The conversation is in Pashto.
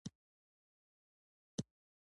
ھیلہ ناستہ وہ سر توریی ژڑیدلہ، ژڑیدلہ